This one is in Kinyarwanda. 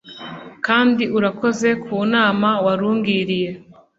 kandi urakoze kunama warungiriye